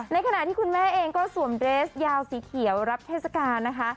ในขณะที่คุณแม่เองก็สวมเดรสยาวสีเขียวรับเทศกาลนะคะ